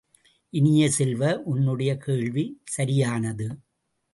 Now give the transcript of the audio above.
இனிய செல்வ, உன்னுடைய கேள்வி சரியானது!